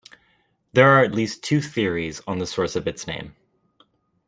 There are at least two theories on the source of its name.